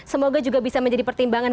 semoga juga bisa menjadi pertimbangan